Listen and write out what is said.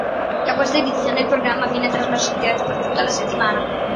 Da questa edizione il programma viene trasmesso in diretta per tutta la settimana.